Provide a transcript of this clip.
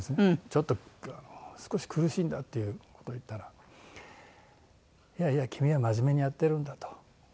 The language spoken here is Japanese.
「ちょっと少し苦しいんだ」っていう事を言ったら「いやいや君は真面目にやってるんだ」と。